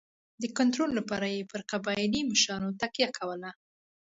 د کنټرول لپاره یې پر قبایلي مشرانو تکیه کوله.